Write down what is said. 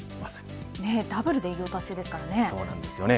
ダブルで偉業達成ですからね。